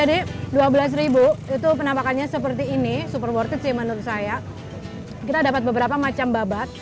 tadi dua belas itu penampakannya seperti ini super worth it sih menurut saya kita dapat beberapa macam babat